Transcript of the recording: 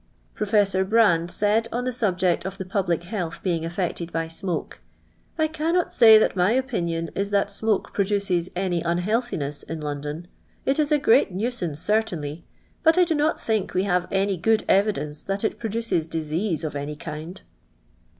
I Professor Brande said, on the subject of the | public health being aflfected by smoko, " I cannot say that my opinion is that smoke produces any unhealthiness in London ; it is a great nuisance certainly ; but I do not think we have any good evidence that it produces disease of any kind."